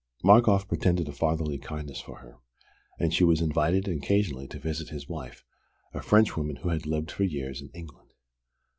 Markoff pretended a fatherly kindness for her; and she was invited occasionally to visit his wife, a Frenchwoman who had lived for years in England.